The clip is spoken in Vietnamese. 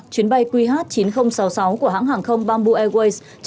chuyến bay qh chín nghìn sáu mươi sáu của hãng hàng không bamboo airways